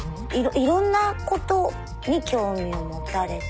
いろんなことに興味を持たれて。